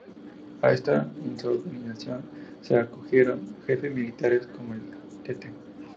A esta insubordinación se acogieron jefes militares como el Tte.